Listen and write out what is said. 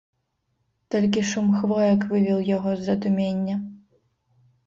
Толькі шум хвоек вывеў яго з задумення.